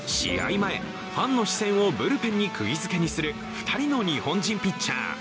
前、ファンの視線をブルペンにくぎづけにする２人の日本人ピッチャー。